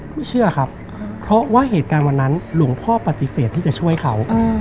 เชื่อครับเพราะว่าเหตุการณ์วันนั้นหลวงพ่อปฏิเสธที่จะช่วยเขา